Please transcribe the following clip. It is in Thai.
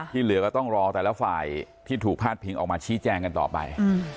เหลือก็ต้องรอแต่ละฝ่ายที่ถูกพาดพิงออกมาชี้แจงกันต่อไป